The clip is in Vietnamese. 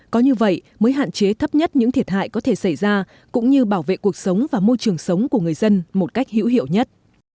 có như vậy mới hạn chế thấp nhất những thiệt hại có thể xảy ra cũng như bảo vệ cuộc sống và môi trường sống của người dân một cách hữu hiệu nhất